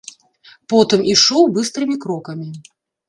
Потым ішоў быстрымі крокамі.